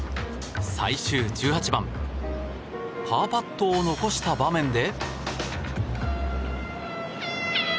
最終１８番パーパットを残した場面で。